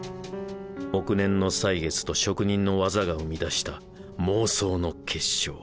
億年の歳月と職人の技が生み出した妄想の結晶。